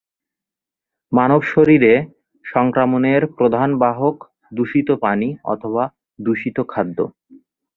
মানব শরীরে সংক্রমণের প্রধান বাহক দূষিত পানি অথবা দূষিত খাদ্য।